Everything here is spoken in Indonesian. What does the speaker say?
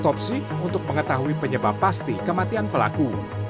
dan proses otopsi untuk mengetahui penyebab pasti kematian pelaku